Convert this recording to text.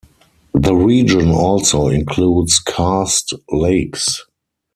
The region also includes karst lakes.